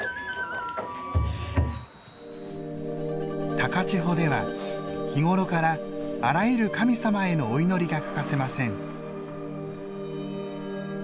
高千穂では日頃からあらゆる神様へのお祈りが欠かせません。